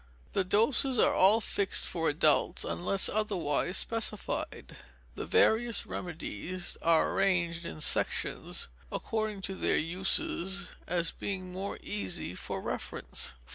The doses are all fixed for adults, unless otherwise specified. The various remedies are arranged in sections, according to their uses, as being more easy for reference, 476.